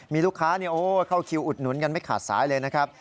มีลูกค้าเข้าคิวอุดหนุนกันไม่ขาดสายเลยนะครับ